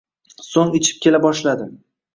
So‘ng ichib kela boshladi